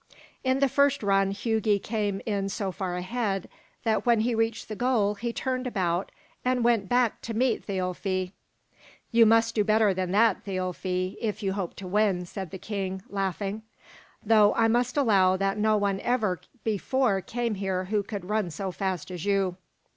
In the first run Hugi came in so far ahead that when he reached the goal he turned about and went back to meet Thialfi. "You must do better than that, Thialfi, if you hope to win," said the king, laughing, "though I must allow that no one ever before came here who could run so fast as you."